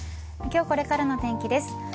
今日これからの天気です。